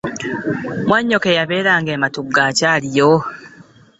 Mwannyoko eyabeeranga e Matugga akyaliyo?